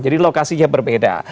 jadi lokasinya berbeda